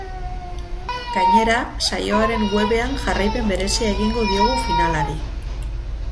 Gainera, saioaren webean jarraipen berezia egingo diogu finalari.